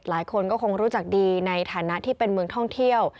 หลายคนก็คงรู้จักดีในฐานะที่เป็นเมืองท่องเที่ยว